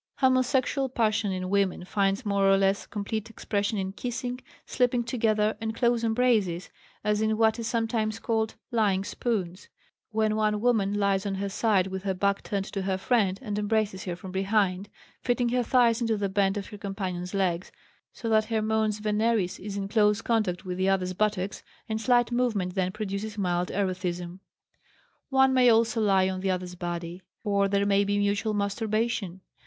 Homosexual passion in women finds more or less complete expression in kissing, sleeping together, and close embraces, as in what is sometimes called "lying spoons," when one woman lies on her side with her back turned to her friend and embraces her from behind, fitting her thighs into the bend of her companion's legs, so that her mons veneris is in dose contact with the other's buttocks, and slight movement then produces mild erethism. One may also lie on the other's body, or there may be mutual masturbation.